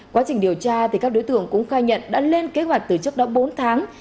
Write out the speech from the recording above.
quá trình điều tra các đối tượng cũng khai nhận đã lên kế hoạch từ trước đó bốn tháng